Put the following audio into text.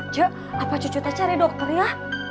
cuk apa cucu tak cari dokter ya